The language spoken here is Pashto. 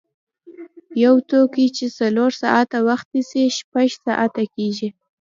یو توکی چې څلور ساعته وخت نیسي شپږ ساعته شي.